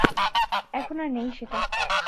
এখন আর নেই সেটা।